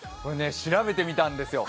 調べてみたんですよ。